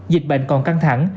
dịch bệnh còn căng thẳng